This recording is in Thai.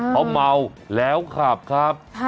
เขาเมาแล้วขับครับ